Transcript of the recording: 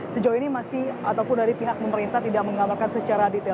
sejauh ini masih ataupun dari pihak pemerintah tidak menggambarkan secara detail